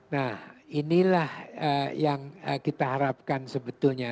nah inilah yang kita harapkan sebetulnya